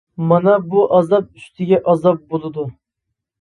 مانا بۇ ئازاب ئۈستىگە ئازاب بولىدۇ.